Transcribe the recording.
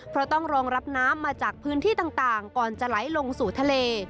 เพราะต้องรองรับน้ำมาจากพื้นที่ต่างก่อนจะไหลลงสู่ทะเล